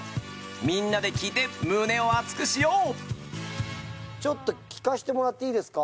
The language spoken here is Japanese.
みんなで聴いて胸をアツくしようちょっと聴かせてもらっていいですか？